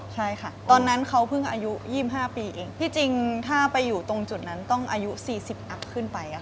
ใช่ค่ะตอนนั้นเขาเพิ่งอายุ๒๕ปีเองที่จริงถ้าไปอยู่ตรงจุดนั้นต้องอายุ๔๐อัพขึ้นไป